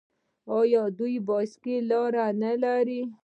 آیا دوی د بایسکل لارې نلري؟